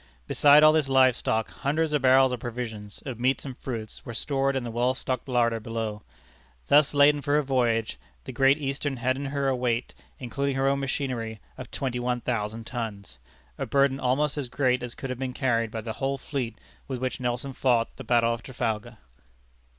Beside all this live stock, hundreds of barrels of provisions, of meats and fruits, were stored in the well stocked larder below. Thus laden for her voyage, the Great Eastern had in her a weight, including her own machinery, of twenty one thousand tons a burden almost as great as could have been carried by the whole fleet with which Nelson fought the battle of Trafalgar.